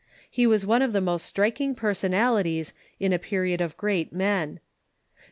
He •was one of the most striking personalities in a period of great men. Dr.